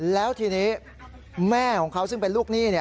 แล้วทีนี้แม่ของเขาซึ่งเป็นลูกหนี้